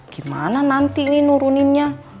gimana nanti ini nuruninnya